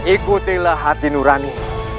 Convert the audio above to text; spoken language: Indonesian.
ikutilah hati nurani